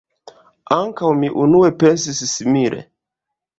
Ankaŭ mi unue pensis simile.